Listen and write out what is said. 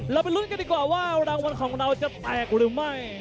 ไปลุ้นกันดีกว่าว่ารางวัลของเราจะแตกหรือไม่